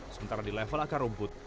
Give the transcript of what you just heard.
sementara di level akar rumput